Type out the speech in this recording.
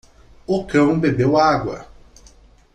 O cão bebeu água.